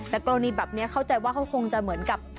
แต่กรณีแบบนี้เข้าใจว่าเขาคงจะเหมือนกับ